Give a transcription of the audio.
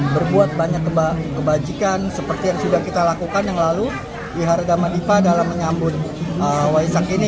berbuat banyak kebajikan seperti yang sudah kita lakukan yang lalu di harda madipa dalam menyambut waisak ini